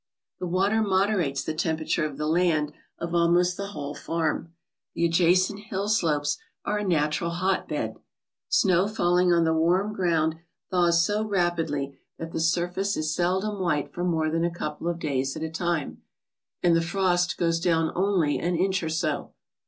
The water moderates the temperature of the land of almost the whole farm. The adjacent hill slopes are a natural hotbed. Snow falling on the warm ground thaws so rapidly that the surface is seldom white for more than a couple of days at a time, and the frost goes down only an inch or so.